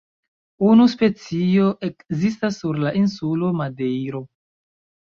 Unu specio ekzistas sur la insulo Madejro.